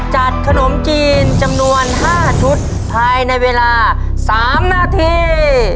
ขนมจีนจำนวน๕ชุดภายในเวลา๓นาที